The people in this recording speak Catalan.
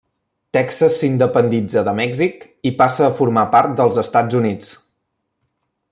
Texas s'independitza de Mèxic i passa a formar part dels Estats Units.